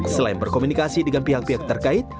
selain berkomunikasi dengan pihak pihak terkait